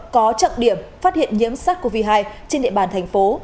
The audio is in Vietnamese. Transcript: có trọng điểm phát hiện nhiễm sars cov hai trên địa bàn thành phố